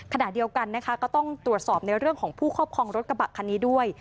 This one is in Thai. ขณะเดียวกันนะคะก็ต้องตรวจสอบในเรื่องของผู้ครอบครองรถกระบะคันนี้ด้วย